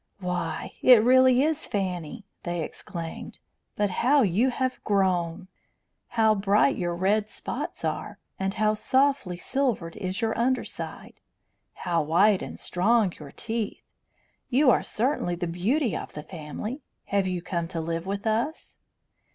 "Why, it really is Fanny!" they exclaimed. "But how you have grown! How bright your red spots are! And how softly silvered is your under side! How white and strong your teeth! You are certainly the beauty of the family. Have you come to live with us?"